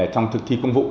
trong thực thi công vụ